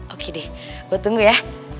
oke deh gue tunggu ya